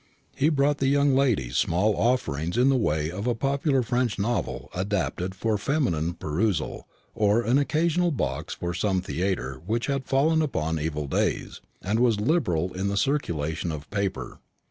He brought the young ladies small offerings in the way of a popular French novel adapted for feminine perusal, or an occasional box for some theatre which had fallen upon evil days, and was liberal in the circulation of "paper."